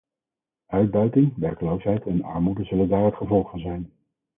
Uitbuiting, werkloosheid en armoede zullen daar het gevolg van zijn.